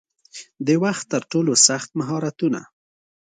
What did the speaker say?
د وخت ترټولو سخت مهارتونه